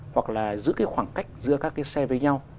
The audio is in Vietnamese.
hoặc là giữ khoảng cách giữa các xe với nhau